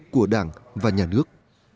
của đảng và nhà nước